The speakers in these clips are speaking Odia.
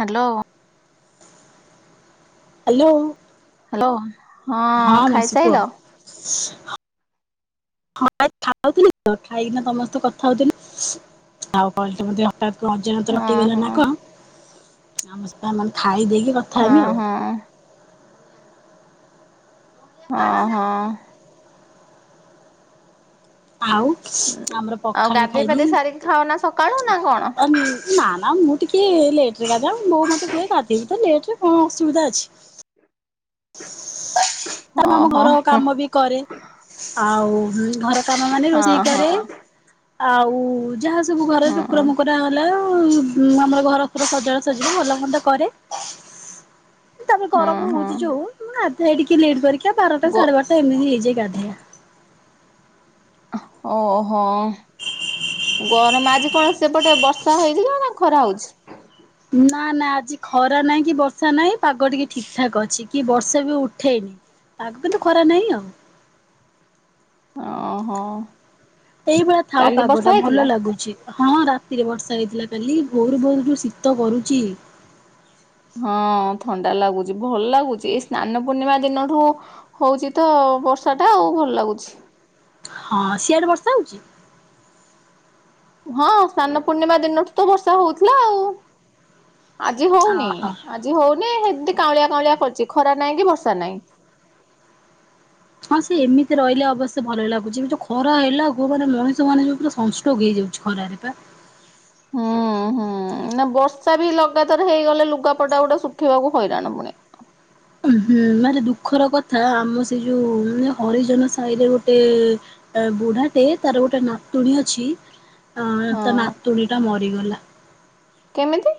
ହ୍ୟାଲୋ। ହ୍ୟାଲୋ। ହ୍ୟାଲୋ ହଁ ମାଉସୀ କୁହ ଖାଇସାଇଲ? ହଁ। ହଁ [inaudible] ଖାଉଥିଲି ତ ଖାଇକିନା ତମ ସହିତ କଥା ହଉଥିଲି। ଆଉ [unintelligible] ହଠାତ୍ କଣ ଅଜାଣତରେ ହଁ କଟି ଗଲା ନା ହଁ କଣ। [unintelligible] ଖାଇ ଦେଇକି କ ହଁ ହଁ। ହଁ ହଁ। ଆଉ ଆମର ଆଉ ପଖାଳ ଗାଧେଇ ଖାଇଲି। ପାଧେଇ ସାରିକି ଖାଅ ନା ସକାଳୁ ନା କଣ? ଆମ୍ ନାଁ ନାଁ ମୁଁ ଟିକିଏ ଲେଟରେ ଗାଧାଏ। ବୋଉ ମତେ କୁହେ ଗାଧେଇବୁ ତ ଲେଟରେ କଣ ଅସୁବିଧା ଅଛି। [inaudible] ଆମ ଓହୋ ଘର ହଁ କାମ ବି କରେ। ଆଉ ଉଁ ଘର କାମ ମାନେ ରୋଷେଇ ହଁ କରେ। ଆଉ ଯାହା ସବୁ ଘରେ ହଁ ଟୁକୁରା ହଁ ମୁକୁରା ରା ହେଲା ଉଁ ଆମର ଘର ଫର ସଜଡା ସଜଡି ଭଲମନ୍ଦ କରେ। ତା ପରେ ଗରମ ହଁ ହଉଛି ଯୋଉଁ ମୁଁ ଗାଧାଏ ଟିକେ ଲେଟ୍ କରିକି ଆ ବାରଟା ଗୋ ସାଢେ ବାରଟା ଏମିତି ହେଇଯାଏ ଗାଧେଇଆ। ଓହୋ ଗରମ ଆଜି କଣ ସେପଟେ ବର୍ଷା ହେଇଥିଲା ନା ଖରା ହଉଛି? ନାଁ ନାଁ ଆଜି ଖରା ନାହିଁ କି ବର୍ଷା ନାହିଁ ପାଗ ଟିକେ ଠିକ ଠାକ୍ ଅଛି। କି ବର୍ଷା ବି ଉଠେଇନି। ପାଗ କିନ୍ତୁ ଖରା ନାହିଁ ଆଉ। ଓହୋ। ଏଇଭଳିଆ ଥାଉ କାଲି ବର୍ଷା ପାଗଟା ହେଇଥିଲା? ଭଲ ଲାଗୁଛି। ହଁ ରାତିରେ ବର୍ଷା ହେଇଥିଲା କାଲି। ଭୋରୁ ଭୋରୁ ଯୋଉ ଶୀତ କରୁଛି। ହଁ ଥଣ୍ଡା ଲାଗୁଛି। ଭଲ ଲାଗୁଛି। ଏଇ ସ୍ନାନ ପୂର୍ଣ୍ଣିମା ଦିନଠୁ ହଉଛି ତ ବର୍ଷାଟା ଆଉ ଭଲ ଲାଗୁଛି। ହଁ ସିଆଡେ ବର୍ଷା ହଉଛି? ହଁ ସ୍ନାନ ପୂର୍ଣ୍ଣିମା ଦିନଠୁ ତ ବର୍ଷା ହଉଥିଲା ଆଉ। ଆଜି ହଉନି। ଅହୋ। ଆଜି ହଉନି ସେମିତି କାଉଁଳିଆ କାଉଁଳିଆ କରିଛି। ଖରା ନାହିଁ କି ବର୍ଷା ନାହିଁ। ହଁ ସିଏ ଏମିତି ରହିଲେ ଅବଶ୍ୟ ଭଲ ଲାଗୁଛି। ଏଇ ଯୋଉ ଖରା ହେଲା ଭଗବାନେ ମଣିଷ ମାନେ ଯୋଉ ପୁରା ସନଷ୍ଟ୍ରୋକ୍ ହେଇଯାଉଛି। ଖରାରେ ପା। ହୁଁ ହୁଁ ନା ବର୍ଷା ବି ଲଗାତାର ହେଇଗଲେ ଲୁଗାପଟା ଗୋଡା ଶୁଖେଇବାକୁ ହଇରାଣ ପୁଣି। ଉଁ ହୁଁ ଭାରି ଦୁଃଖର କଥା ଆମ ସେ ଯୋଉ ମାନେ ହରିଜନ ସାହିରେ ଗୋଟେ ଏଁ ବୁଢାଟେ ତାର ଗୋଟେ ନାତୁଣୀ ଅଛି। ଆଁ ତା ହଁ ନାତୁଣୀ ଟା ମରିଗଲା। କେମିତି?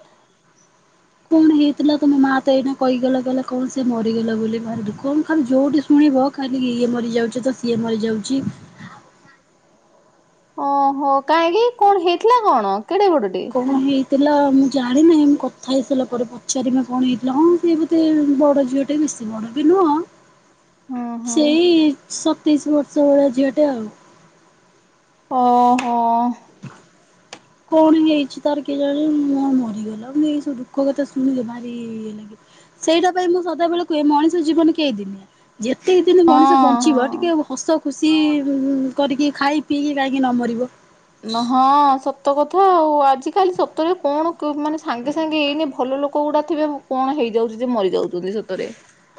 କଣ ହେଇଥିଲା ତମେ ମା ତ ଏଇନା କହିଗଲା କହିଲଲେ କଣ ସେ ମରିଗଲା ବୋଲି ଭାରିଲୁ କଣ ଖାଲି ଯୋଉଠି ଶୁଣିବ ଖାଲି ଇଏ ମରିଯାଉଛି ତ ସିଏ ମରିଯାଉଛି ଓହୋ କାହିଁକି କଣ ହେଇଥିଲା କଣ କେଡେ ବଡଟେ? କଣ ହେଇ ଥିଲା ମୁଁ ଜାଣିନାହିଁ ମୁ କଥା ହେଇସାରିଲା ପରେ ପଚାରିମି କଣ ହେଇଥିଲା ହଁ ସେ ବଧେ ବଡ଼ ଝିଅ ଟେ ବେଶି ବଡ଼ ବି ନୁହଁ ହଁ ହଁ ସେଇ ସତେଇଶ ବର୍ଷ ଭଳିଆ ଝିଅ ଟେ ଆଉ ଓହୋ। କଣ ହେଇଛି ତାର କେଜାଣି ମା ମରିଗଲା ମୁଁ ଏଇ ସବୁ ଦୁଃଖ କଥା ଶୁଣିଲେ ଭାରି ଇଏ ଲାଗେ। ସେଇଟା ପାଇଁ ମୁଁ ସଦାବେଳେ କୁହେ ମଣିଷ ଜୀବନ କେଇଦିନି ଯେତକି ଦିନ ହଁ ମଣିଷ ବଞ୍ଚିବ ଟି ହଁ। କେ ହସ ଖୁସି କରିକି ଖାଇ ପିଇକି କାହିଁକି ନ ମରିବ। ନ ହଁ ସତ କଥା ଆଉ ଆଜିିକାଲି ସତରେ କଣ କରମାନେ ସାଙ୍ଗେ ସାଙ୍ଗେ ଏଇନେ ଭଲ ଲୋ କୋଉଡା ଥିବେ କଣ ହେଇଯାଉଛି ଯେ ମରିଯାଉଛନ୍ତି ସତରେ।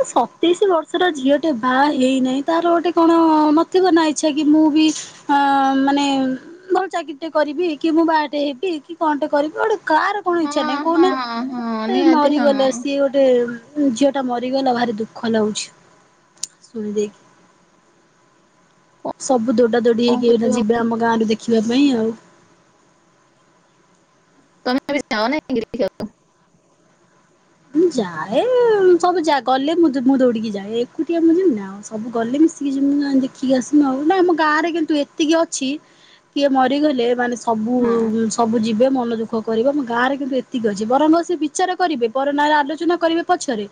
ଏ ସତେଇଶି ବର୍ଷର ଝିଅ ଟେ ବାହା ହେଇନାହିଁ ତାର ଗୋଟେ କଣ ନଥିବ ନା ଇଚ୍ଛା କି ମୁଁ ବି ହଁ ମାନେ ଭଲ ଚାକିରି ଟେ କରିବି କି ମୁଁ ବାହାଟେ ହେବି କି କଣଟେ କରିବି ଗୋଟେ କାହାର କଣ ଇଚ୍ଛା ହଁ ନାହିଁ ହଁ କହୁନା ହଁ ସିଏ ନିହାତି ହଁ ମରିଗଲେ ସିଏ କଣ ଗୋ ଟେ ଝିଅ ଟା ମରିଗଲା ଭାରି ଦୁଃଖ ଲାଗୁଛି ଶୁଣି ଦେଇକି। ସବୁ ଦୋଡା ଦୋଡି ହେଇକି କରିବା ଏଇନା ଯିବେ ଆମ ଗାଁ ରେ ଦେଖିବା ପାଇଁ ଆଉ। ତମେ ବି ଯାଅ ନା ଟିକେ ଦେଖିକି ଆସିବ। ମୁଁ ଯାଏ ସବୁ ଯା ଗଲେ ମୁ ମୁଁ ଦୌଡିକି ଯାଏ ଏକୁଟିଆ ମୁଁ ଯିମିନା ଆଉ। ସବୁ ଗଲେ ମିଶିକି ଯିମୁ ଦେଖିକି ଆସିମୁ ଆଉ ନା ଆମ ଗାଁରେ କିନ୍ତୁ ଏତିକି ଅଛି। କିଏ ମରିଗଲେ ମାନେ ସବୁ ହଁ ସବୁ ଯିବେ ମନ ଦୁଃଖ କରିବେ ଆମ ଗାଁରେ କିନ୍ତୁ ଏତିକି ଅଛି ବରଂ ସେ ବିଚାର କରିବେ ପର ନାଁରେ ଆଲୋଚନା କରିବେ ପଛରେ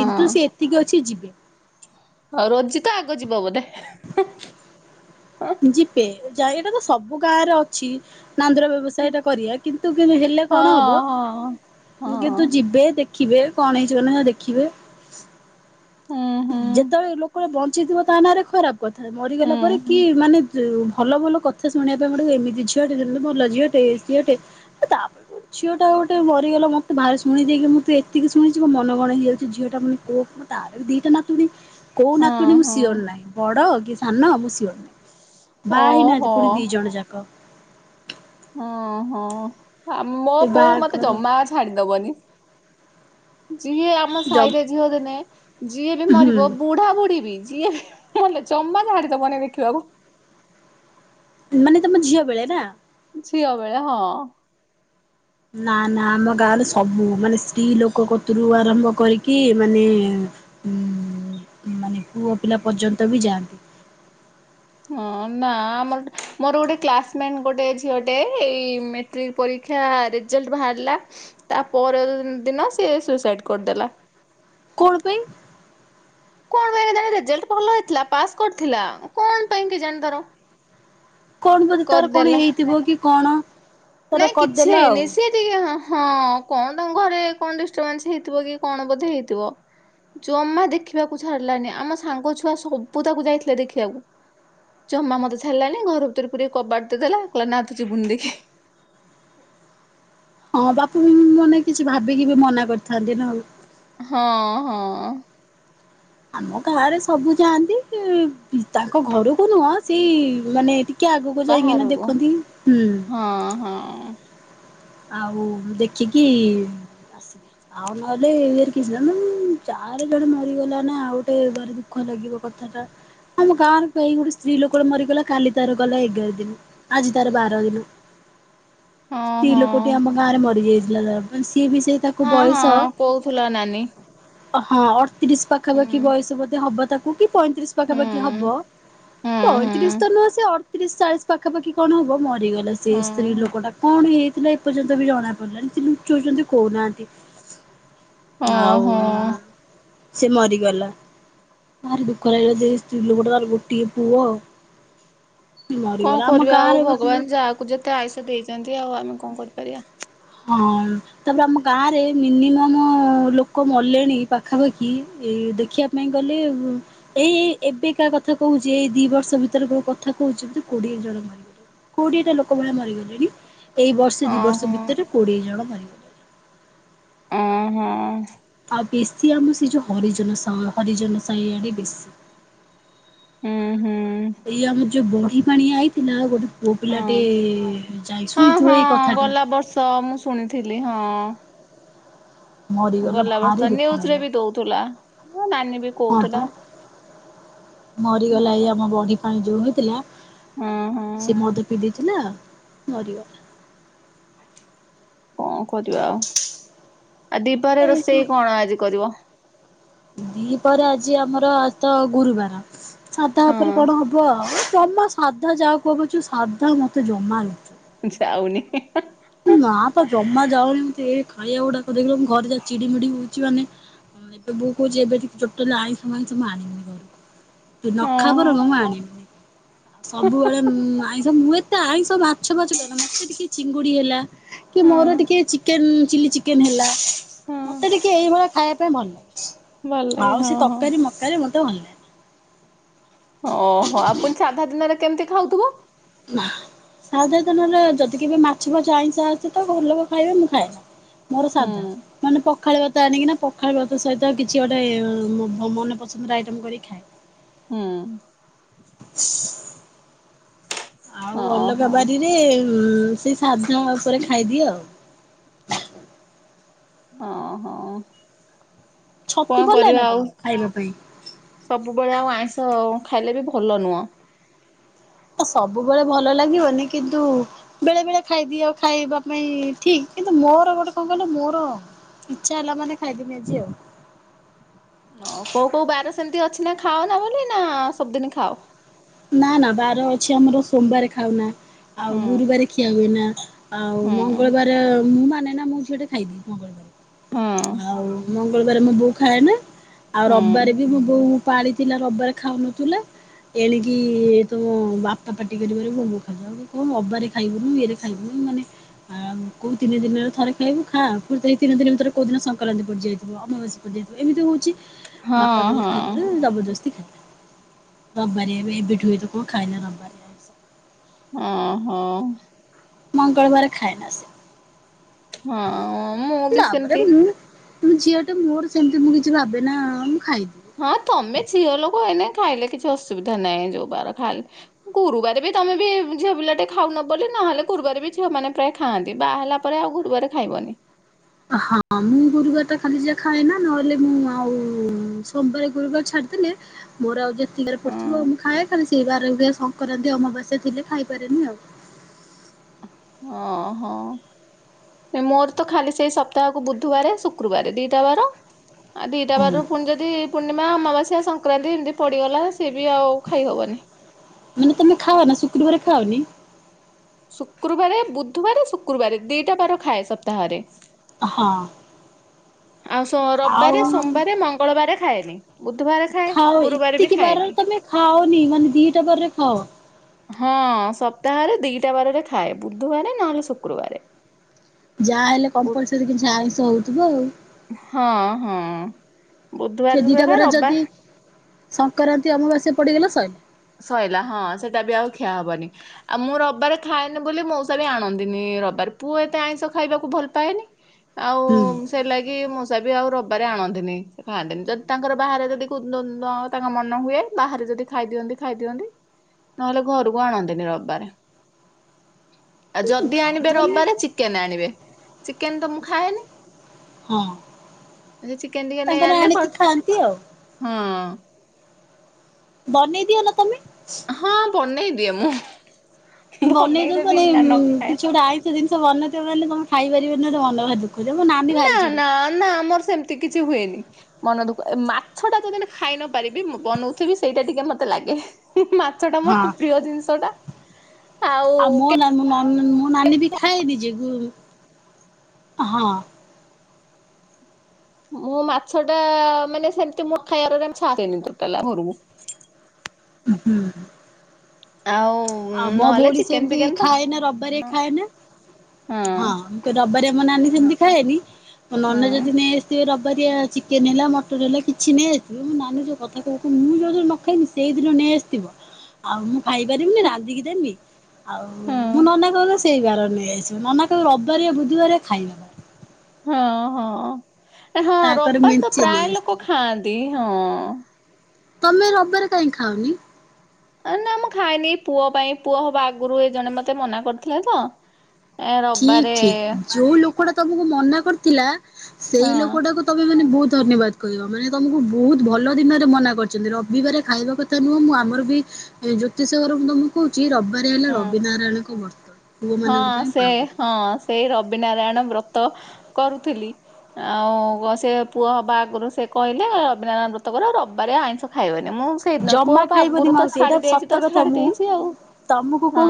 କିନ୍ତୁ ସେ ଏତିକି ଅଛି ଯିବେ। ଆଉ ରୋଜି ତ ଆଗ ଯିବ ବୋଧେ? ଯିବେ ଯା ଏଇଟା ତ ସବୁ ଗାଁ ରେ ଅଛି ନାନ୍ଦୁର ବ୍ୟବସାୟ ଟା କରିବା କିନ୍ତୁ କିୁ ହେଲେ ହଁ କଣ ହବ ହଁ। ହଁ କିନ୍ତୁ ଯିବେ ଦେ ଦେଖିବେ କଣ ହେଇଛି କଣ ନାହଁ ଦେଖିବେ ହୁଁ ହୁଁ ଯେତେବେଳେ ଲୋକ ବ ଞ୍ଚିଥିବ ତା ନାରେ ଖରାପ କଥା ହୁଁ ମରିଗଲା ପରେ କି ହୁଁ ମାନେ ଯେ ଭଲ ଭଲ କଥା ଶୁଣିବା ପାଇଁ ଗୋଟେ ଏମିତି ଝିଅଟେ ସେମତି ଭଲ ଝିଅଟେ ଏ ସିଏଟେ। ତାପ ଝିଅ ଟା ଗୋଟେ ମରିଗଲା ମତେ ଭାରି ଶୁଣି ଦେଇକି ମୁଁ ତ ଏତିକି ଶୁଣିଛି ମନ କଣ ହେଇଯାଉଛି ଝିଅଟା ମାନେ କୋ ମୁଁ ତାର ବି ଦିଟା ନାତୁଣୀ କୋଉ ହଁ ନାତୁଣୀ ମୁଁ ହଁ। ସିଅର ନାହିଁ ବଡ କି ସାନ ମୁଁ ସିଅର ନାହିଁ। ବାହା ଓହୋ ହେଇନାହାନ୍ତି ପୁଣି ଦି ଜଣ ଯାକ। ହଁ ହଁ ଆ ମୋ ବୋଉ ମତେ ବାହାଘର ଜମା ଛାଡିଦବନି ଯିଏ ଆମ ଜବ୍ ସାହିରେ ଝିଅ ଦିନେ ଯିଏ ବି ହୁଁ ମରିବ ବୁଢା ବୁଢୀ ବି ଯିଏ ବି ମଲେ ଜମା ଛାଡ଼ିଦବ ନି ଦେଖିବାକୁ। ମାନେ ତମ ଝିଅ ବେଳେ ନା? ଝିଅ ବେଳେ ହଁ। ନା ନା ଆମ ଗାଁରେ ସବୁ ମାନେ ସ୍ତ୍ରୀ ଲୋକ କତୁରୁ ଆରମ୍ଭ କରିକି ମାନେ ହୁଁ ମାନେ ପୁଅ ପିଲା ପର୍ଯ୍ୟନ୍ତ ବି ଯାଆନ୍ତି। ହଁ ନା ଆମ ମୋର ଗୋଟେ କ୍ଲାସମେଟ ଗୋଟେ ଝିଅଟେ ଏଇ ମେ ଟ୍ରିକ ପରୀକ୍ଷା ରେଜଲ୍ଟ ବାହାରିଲା ତା ପର ଦିନ ସିଏ ସୁସାଇଡ଼୍ କରିଦେଲା। କଣ ପାଇଁ? କଣ ପାଇଁ କେଜାଣି ରେଜଲ୍ଟ ଭଲ ହେଇଥିଲା ପାସ୍ କରିଥିଲା କଣ ପାଇଁ କେଜାଣି ତାର କଣ ବଧେ ତାର କଣ କରିଦେଲା। ହେଇଥିବ କି କଣ? ତାର ନାଇଁ କିଛି କରିଦେଲା ହେଇନି ଆଉ। ସେ ମିତି ହଁ କଣ ତାଙ୍କ ଘରେ କଣ ଡିଷ୍ଟର୍ବାନ୍ସ ହେଇଥିବ କି କଣ ବୋଧେ ହେଇଥିବ ଜମା ଦେଖିବାକୁ ଛାରିଲାନି ଆମ ସାଙ୍ଗ ଛୁଆ ସବୁ ତାକୁ ଯାଇଥିଲେ ଦେଖିବାକୁ ଜମା ମତେ ଚ୍ଛାଡିଲାନି ଘର ଭିତରେ ପୁରେଇକି କବାଟ ଦେଇଦେଲା ନା ତୁ ଯିବୁନି ଦେଖି ହଁ ବା ପୁ ମାନେ କିଛି ଭାବିକି ବି ମନା କରିଥାନ୍ତି ନା ଆଉ ହଁ ହଁ। ଆମ ଗାଁରେ ସବୁ ଯାଆନ୍ତି ତାଙ୍କ ଘରକୁ ନୁହଁ ସେଇ ମାନେ ଟି କେ ଆଗକୁ ଯାଇକିନା ବାହାରକୁ ଦେଖନ୍ତି ହୁଁ। ହଁ ହଁ ଆଉ ଦେଖିକି ଆସିବି ଆଉ ନହେଲେ [unintelligible] ଜଣେ ମରିଗଲା ନା ଆଉ ଗୋଟେ ଘାରେ ଦୁଃଖ ଲାଗିବ କଥାଟା। ଆମ ଗାଁର କେହି ଗୋଟେ ସ୍ତ୍ରୀ ଲୋକଟେ ମରିଗଲା କାଲି ତାର ଗଲା ଏଗାର ଦିନ ଆଜି ତାର ବାର ଦିନ। ହଁ ସ୍ତ୍ରୀ ଲୋକଟି ହଁ। ଆମ ଗାଁ ରେ ମରିଯାଇଥିଲା [unintelligible] ସିଏ ବି ସେଇ ତାକୁ ହଁ ବୟସ। ହଁ କହୁଥିଲା ନାନୀ ହଁ ଆଡତିରିଷି ପାଖାପାଖି ହୁଁ ବୟସ ବୋଧେ ହବ ତାକୁ। କୁ ପଇଁତିରିଶ ହୁଁ ପାଖାପାଖି ହବ ହୁଁ ହୁଁ। ପଇଁତିରିଶ ତ ନୁହଁ ସେ ଅଡ ତିରିଶ ଚାଳିଶ ପାଖାପାଖି କଣ ହବ ମରିଗଲା ସେଇ ହଁ ସ୍ତ୍ରୀ ଲୋକଟା କଣ ହେଇ ଥିଲା ଏପର୍ଯ୍ୟନ୍ତ ବି ଜଣା ପଡିଲାଣି ଲୁଚୋଉଛନ୍ତି କହୁନାହାନ୍ତି। ହଁ ଆଉ ହଁ। ସେ ମରିଗଲା। ଭାରି ଦୁଃଖ ଲାଗିଲା ଯେ ସ୍ତ୍ରୀ ଲୋକଟାର ଗୋଟିିଏ ପୁଅ। କଣ ମରିଗଲା ଆମ କରିବା ଆଉ ଗାଁରେ ଗୋଟିଏ ଭଗବାନ ଯାହାକୁ ଯେତେ ଆୟୁଷ ଦେଇଛନ୍ତି ଆଉ ଆମେ କଣ କରିପାରିବା। ହଁ। ତାପରେ ଆମ ଗାଁ ରେ ମିନିମମ ଲୋକ ମଲେଣି ପାଖାପାଖି ଏ ଦେଖିବା ନାଇଁ ଗଲେ ଏଇ ଏବେ କା କଥା କହୁଛି ଏଇ ଦି ବର୍ଷ ଭିତରେ କୋଉ କଥା କହୁଛିତି କୋଡିଏ ଜଣ ମରିଗଲେଣି। କୋଡିଏଟା ଲୋକ ଭଳିଆ ମରିଗଲେଣି ଏଇ ବର୍ଷେ ହଁ ଦି ବର୍ଷ ହଁ ଭିତରେ କୋଡିଏ ଜଣ ମରିଗଲେ। ଅ ହଁ। ଆଉ ବେଶୀ ଆମର ସେ ଯୋଉ ହରିଜନ ସ ହରିଜନ ସାଇଆଡେ ବେଶୀ। ହୁଁ ହୁ। ଏଇ ଆମର ଯୋଉ ବଢି ପାଣି ଆଇଥିଲା ଗୋଟେ ପୁଅ ପିଲାଟେ ହଁ। ଯାଇ ଶୁଣିଥିବ ଏଇ କଥାଟା। ତ ମୁଁ ଶୁଣୀଥିଲି ହଁ। ମରିଗଲା ଗଲା ବର୍ଷ ଭାରି ଦୁଃଖ ନ୍ୟୁଜ ରେ ଲାଗିଲା ବି ଦଉଥିଲା। ମୋ ନାନୀ ବି ହଁ କହୁଥିଲା ପା। ମରିଗଲା ହଁ ଏଇ ଆମ ବଢି ପାଣି ଯୋଉ ହେଇଥିଲା ହଁ ହଁ ସେ ମଦ ପିଇ ଦେଇଥିଲା ମରିଗଲା। କଣ କରିବା ଆଉ ଆଉ ଦିପହରେ ଏଇ ସବୁ ରୋଷେଇ କଣ ଆଜି କରିବ? ଦିପହରେ ଆଜି ଆମର ତ ଗୁରୁବାର ସାଧା ଉପରେ କଣ ହଁ ହବ। କୁହ ଜମା ସାଧା ଯାହା କୁହ ପଛେ ସାଧା ମତେ ଜମାରୁ ଯାଉନି ନା ତ ଜମା ଯାଉନି ଏମିତି ଖାଇବା ଗୁଡାକ ଦେଖିଲେ ମୁଁ ଘରେ ଯାଇ ଚିଡିମିଡି ହଉଛି ମାନେ। ହଁ ଏବେ ବୋଉ କହୁଛି ଏବେଠୁ ତୁ ଟୋଟାଲି ଆଇଁଷ ଫାଇଁଷ ଆଣିବୁନି ଘରକୁ। ତୁ ହଁ ନଖା ହଁ ବରଂ ମୁଁ ଆଣିବିନି ସବୁବେଳେ ଉଁ ଆଇଁଷ ମୁଁ ଏତେ ଆଇଁଷ ମାଛ ଫାଛ ଖାଏନା ମତେ ଟିକେ ଚିଙ୍ଗୁଡ଼ି ହେଲା କି ହଁ ମୋର ଟିକେ ଚିକେନ ଚିଲି ଚିକେ ଚିକେନ ହେଲା ହଁ। ମତେ ଟିକେ ଏଇଭଳିଆ ଖାଇବା ପାଇଁ ଭଲ ଭଲ ଲାଗେ ଲାଗେ ଆଉ ସେ ହଁ ହଁ ତରକାରୀ ତରକାରି ମତେ ଭଲ ଲାଗେ। ଓ ହୋ ପୁଣି ସାଧା ଦିନରେ କେମିତି ଖାଉଥିବ? [unintelligible] ସାଧାର ଦିନରେ ଯଦି କେବେ ମାଛ ଫାଛ ଆଇଁଷ ଅସେ ତ ଘରଲୋକ ଖାଇବେ ମୁଁ ଖାଏ। ମୋର ହୁଁ ସାଧା ମାନେ ପ ପଖାଳ ଭାତ ଆଣିକିନା ପଖାଳ ଭାତ ସହିତ କିଛି ଗୋଟେ ମୋ ମ ମନ ପସନ୍ଦର ଆଇଟମ କରିକି ଖାଏ। ହୁଁ [inaudible] ଆଉ ଅଲଗା ଓହୋ ବାରିରେ ସେଇ ସାଧା ଉପରେ ଖାଇଦିଏ ଆଉ। ଅ ହଁ ଛତୁ କଣ ଭଲ ଲାଗେ ନା କରିବା ଆଉ। ତମକୁ? ସବୁବେଳେ ଆଉ ଆଇଁଷ ଖାଇଲେ ବି ଭଲ ନୁହଁ। ତ ସବୁବେଳେ ଭଲ ଲାଗିବନି କିନ୍ତୁ ବେଳେ ବେଳେ ଖାଇଦିଅ ଖାଇବା ପାଇଁ ଠିକ କିନ୍ତୁ ମୋର ଗୋଟେ କଣ କହିଲ ମୋର ଇଛା ହେଲାମାନେ ଖାଇଦେମି ଆଜି ଆଉ। ହ କୋଉ କୋଉ ବାର ସେମିତି ଅଛି ନା ଖାଅ ନା ବୋଲି ନା ସବୁଦିନି ଖାଅ? ନା ନା ବାର ଅଛି ଆମର ସୋମବାର ଖାଉନା। ଆଉ ହୁଁ ଗୁରୁବାର ଖିଆ ହୁଏନା ଆଉ ହୁଁ ମଙ୍ଗଳବାରେ ମୁଁ ମାନେ ନା ମୁଁ ଝିଅଟେ ଖାଇଦିଏ ହଁ ମଙ୍ଗଳବାରେ ଆଉ ମ ମଙ୍ଗଳବାରେ ମୋ ବୋଉ ଖାଏନା ଆଉ ହୁଁ ରବବାରେ ବି ମୋ ବୋଉ ପାଳିଥିଲା ରବବାରେ ଖାଉନଥୁଲା ଏଣିକି କି ତୁମ ବାପା ପାଟି କରିବାରେ ମୋ [unintelligible] ଖାଇବୁନୁ ଇଏରେ ଖାଇବୁନୁ ମାନେ ଆଉ କୋଉ ତିନି ଦିନରେ ଥରେ ଖାଇବୁ ଖା ଫୁଣୀ ତିନି ଦିନ ଭିତରେ କୋଉ ଦିନ ସଂକ୍ରାନ୍ତି ପଡିଯାଇଥିବ ଅମାବାଶ୍ୟା ଏମିତି ହୋଉଚି ହଁ ବାପା କହିଲେ ହଁ। ଖାଇବାର ଜବରଦସ୍ତି ଖାଇଲା ରବବାରିଆ [unintelligible] ଖାଇଲା ରବବାରେ। ଅଁ ହଁ ମଙ୍ଗଳବାରେ ଖାଏନା ସେ। ହଁ ମୁଁ ବି ତାପରେ ସେମିତି ମୁଁ ମୁଁ ଝିଅଟେ ମୋର ସେମିତି ମୁଁ କିଛି ଭାବେନା ମୁଁ ଖାଇଦି ହଁ ତମେ ଝିଅ ଲୋକ ଏଇନେ ଖାଇଲେ କିଛି ଅସୁବିଧା ନାଇଁ ଯୋଉବାର ଖାଇଲେ। ଗୁରୁବାରେ ବି ତମେ ବି ଝିଅ ପିଲାଟେ ଖାଉନ ବୋଲି ନହେଲେ ଗୁରୁବାର ବି ଝିଅ ମାନେ ପ୍ରାୟେ ଖାଆନ୍ତି ବାହା ହେଲା ତାପରେ ଆଉ ଗୁରୁବାରେ ଖାଇବନି। ହଁ ମୁଁ ଗୁରୁବାର ଟା ଖାଲି ଯା ଖାଏନା ନହେଲେ ମୁଁ ଆଉ ସୋମବାର ଗୁରୁବାରେ ଛାଡ଼ିଦେଲେ ମୋର ଆଉ ଯେତିକିବାର ପଡିଥିବ ମୁଁ ହଁ ଖାଏ ଖାଲି ସେଇ ବାର ସଂକ୍ରାନ୍ତି ଅମାବାସ୍ୟା ଥିଲେ ଖାଇପାରେନି ଆଉ। ଅ ହଁ। ମୋର ତ ଖାଲି ସେଇ ସପ୍ତାହକୁ ବୁଧୁବାରେ ଶୁକ୍ରୁ ବାରେ ଦିଟା ବାର। ଆ ଦିଇଟା ହୁଁ ବାରରୁଫୁଣି ଯଦିପୂର୍ଣ୍ଣିମା ଅମାବାସ୍ୟା ସଂକ୍ରାନ୍ତି ଏମିତି ପଡ଼ିଗଲା ସିଏ ବି ଆଉ ଖାଇ ହବନି। ମାନେ ତମେ ଖାଅନା ଶୁକ୍ରୁବାରେ ଖାଅନି? ଶୁକ୍ରୁବାରେ ବୁଧୁବାରେ ଶୁକ୍ରୁବାରେ ଦିଇଟା ବାର ଖାଏ ସପ୍ତାହରେ। ହଁ। ଆଉ ଶୋ ଆଉ ରବବାରେ ସୋମବାରେ ମଙ୍ଗଳବାରେ ଖାଏନି ବୁଧୁବାରେ ଖାଅ ଏତିକି ବାରରେ ତମେ ଖାଅନି ମାନେ ଦିଇଟା ବାରରେ ଖାଅ। ହଁ ସପ୍ତାହରେ ଦିଇଟା ବାରରେ ଖାଏ ବୁଧୁବାରେ ନହେଲେ ଶୁକ୍ରୁବାରେ। ଯାହା ହେଲେ କମ୍ପଲସରି କିଛି ଆଇଁସ ହୋଉଥିବ ଆଉ। ହଁ ହଁ ସେ ବୁଧୁବାରେ ଦିଟା ବାର [unintelligible] ଯଦି ରବିବାରେ। ସଂକ୍ରାନ୍ତି ଅମାବାସ୍ୟା ପଡ଼ିଗଲା ସଇଲା। ସଇଲା ହଁ ସେଇଟା ବି ଆଉ ଖିଆ ହବନି। ଆଉ ମୁଁ ରବିବାର ଖାଏନି ବୋଲି ମଉସା ବି ଆଣନ୍ତିନି ରବିବାର ପୁଅ ଏତେ ଆଇଁଷ ଖାଇବାକୁ ଭଲ ପାଏନି। ଆଉ ହୁଁ ସେ ଲାଗି ମୋଉସା ବି ଆଉ ରବିବାରେ ଆଣନ୍ତିନି ସେ ଖାଆନ୍ତିନି। ଯଦି ତାଙ୍କର ବାହାରେ ଯଦି କୋଉ ଦିନ ନ୍ଦନ ତାଙ୍କ ମନ ହୁଏ। ବାହାରେ ଯଦି ଖାଇ ଦିଅନ୍ତି। ଖାଇଦିଅନ୍ତି ନହେଲେ ଘରକୁ ଆଣନ୍ତିନି ରବିବାରେ। ଆଉ ଯଦି ଆଣିବେ ଖାଇବନି ରବିବାରେ ଚିକେନ ଆଣିବେ। ଚିକେନ ତ ମୁଁ ଖାଏନି। ହଁ ସେ ଚିକେନ୍ ଟିକେ ନେଇ ତାଙ୍କର ଆଣିଲେ ଆଣିକି ଖାଆନ୍ତି ଆଉ କଣ ହଁ। ବନେଇ ଦିଅ ନା ତମେ। ହଁ ବନେଇ ଦିଅ ମୁଁ। ବନେଇ ବନେଇଦେବି ଦବନି ନା ଉଁ ନ ଖାଏ କିଛି ଗୋଟେ ଆଇ ସେ ଜିନିଷ ବନେଇଥିବ ଖାଲି କଣ ଖାଇ ପାରିବେନି ମନ ଭାରି ଦୁଃଖ ଯେ ମୋ ନାନୀ ଭାରି ଚିଡ଼େ। ନାଁ ଆମର ସେମିତି କିଛି ହୁଏନି। ମନ ଦୁଃଖ ଏ ମାଛଟା ଯୋଉ ଦିନଠୁ ଖାଇ ନ ପାରିବି ମୁଁ ବନଉଥିବି ସେଇଟା ଟିକେ ମତେ ଲାଗେ। ମା ମାଛଟା ହଁ ମୋର ପ୍ରିୟ ଜିନିଷଟା। ଆଉ ମୋ ମୁଁ ମୁଁ ନାନୀ ବି ଖାଇ ଦିଏ ଯେ ଗୁର୍ ହଁ। ମୁଁ ମାଛଟା ମାନେ ସେମିତି ମୁଁ ଖାଇବାରେ ଛାଡେନି ଟୋଟାଲି ଆମ ଘରକୁ। ଉଁ ହୁଁ ଆଉ ଆଉ ମୋ ନହେଲେ ଭଉଣୀ ଚିକେନ ସେମିତି ଫିକେନ ତ ଖାଏ ନା ରବିବାରେ ଖାଏ ନା ହଁ। ରବିବାରିଆ ଆମ ନାନୀ ସେମିତି ଖାଏନି। ମୋ ହଁ ନନା ହଁ। ଯଦି ନେଇଆସିଥିବେ ରବିବାରିଆ ଚି ଚିକେନ ହେଲା ମଟନ ହେଲା କିଛି ନେଇଆସିଥିବ ମୋ ନାନୀ ଯୋଉ କଥା କହୁଥିବୁ ମୁଁ ଯୋଉ ଦିନ ନଖାଇନି ସେଇଦିନ ନେଇଆସିଥିବ। ହ ଆଉ ମୁଁ ଖାଇପାରିବିନି ରାନ୍ଧିକି ଦେମି ଆଉ ମୁଁ ହଁ ନନା ଘରୁ ଆ ସେଇ ବାରରେ ନେଇ ଆସିବ ନନା କହିବ ରବିବାରିଆ ବୁଧବାରେ ଖାଇ ନବ। ହଁ ହଁ ଏ ହଁ ତାଙ୍କର ରବିବାରେ ତ ମେଞ୍ଚେ ନେଇ ପ୍ରାୟ ଲୋକ ଆସିଥିଲେ। ଖାଆନ୍ତି ହଁ। ତମେ ରବିବାରେ କାହିଁ ଖାଉନି? ଏ ନାଁ ମୁଁ ଖାଇଏନି ପୁଅ ପାଇଁ ପୁଅ ହବା ଆଗରୁ ଏଇ ଜଣେ ମତେ ମନା କରିଥିଲେ ତ। ଏ ଠିକ୍ ରବିବାରେ ଠିକ୍ ଯୋଉ ଲୋକଟା ତମକୁ ମନା କରିଥିଲା ସେଇ ହଁ ଲୋକଟାକୁ ତମେ ମାନେ ବହୁତ ଧନ୍ୟବାଦ କହିବ ମାନେ ତମକୁ ବହୁତ ଭଲ ଦିନରେ ମନା କରିଛନ୍ତି। ରବିବାର ଖାଇବା କ କଥା ନୁହଁ ମୁଁ ଆମର ବି ଜ୍ୟୋତିଷ ଘର ମୁଁ ତମକୁ କହୁଚି ରବିବାରେ ହେଲା ହଁ ରବିନାରାୟଣଙ୍କ ବ୍ରତ। ହଁ ପୁଅମାନଙ୍କ ପାଇଁ ସେ ପାଳନ ହଁ ସେଇ ରବିନାରାୟଣ ବ୍ରତ କରୁଥିଲି। ଆଉ ଗ ସେ ପୁଅ ହେବା ଆଗରୁ ସେ କହିଲେ ରବିନାରାୟଣ ବ୍ରତ କର। ରବିବାରେ ଆଇଁଷ ଖାଇବାନି। ମୁଁ ସେଇଦିନ ପୁଅ ଜମା ହବା ଖାଇବନି ଆଗରୁ ତ ମାଉସୀ ଏଇଟା ଛାଡ଼ି ଦେଇଚି ସତ ତ କଥା ଛାଡ଼ି ମୁଁ ଦେଇଚି ଆଉ ତମକୁ ହଁ। କହୁଛି